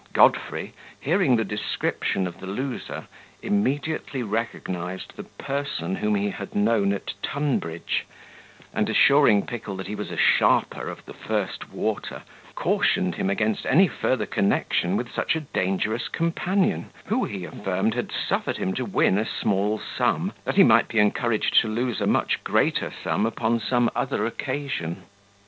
Godfrey, hearing the description of the loser, immediately recognized the person, whom he had known at Tunbridge; and, assuring Pickle that he was a sharper of the first water, cautioned him against any further connection with such a dangerous companion, who, he affirmed, had suffered him to win a small sum, that he might be encouraged to lose a much greater sum upon some other occasion.